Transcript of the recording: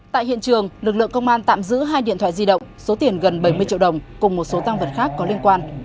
tại hiện trường lực lượng công an tạm giữ hai điện thoại di động số tiền gần bảy mươi triệu đồng cùng một số tăng vật khác có liên quan